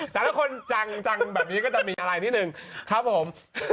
แต่ละคนจังแบบนี้ก็จะมีอะไรนิดนึงครับผม